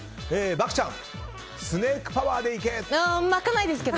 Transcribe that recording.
漠ちゃんスネークパワーで行け！